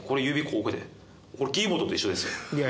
こうこれキーボードと一緒ですよ。